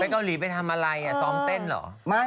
เกาหลีไปทำอะไรซ้อมเต้นเหรอ